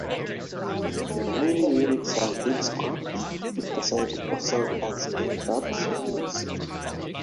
The remaining units have been scrapped, put aside or sold as spare part units.